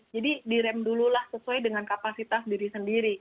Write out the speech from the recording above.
jadi direm dululah sesuai dengan kapasitas diri sendiri